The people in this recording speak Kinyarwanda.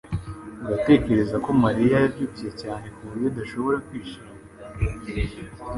Uratekereza ko Mariya yabyibushye cyane kuburyo adashobora kwishima?